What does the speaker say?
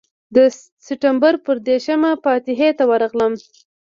د سپټمبر پر دېرشمه فاتحې ته ورغلم.